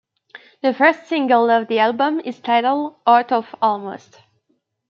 The first single of the album is titled "Art of Almost".